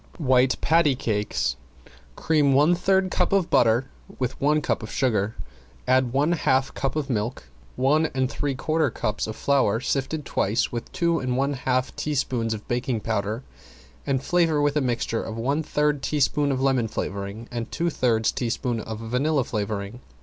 ~WHITE PATTY CAKES~ Cream one third cup of butter with one cup of sugar, add one half cup of milk, one and three quarter cups of flour sifted twice with two and one half level teaspoons of baking powder, and flavor with a mixture of one third teaspoon of lemon flavoring and two thirds teaspoon of vanilla flavoring.